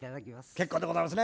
結構でございますね。